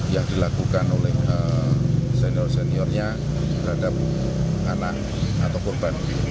yang dilakukan oleh senior seniornya terhadap anak atau korban